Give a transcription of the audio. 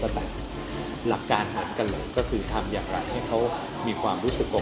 เราการหันกระแหลงก็คือทำอย่างไรให้เขามีความรู้สึก